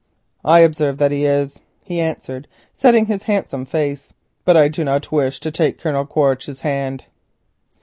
"I observe that he is," he answered, setting his handsome face, "but I do not wish to take Colonel Quaritch's hand."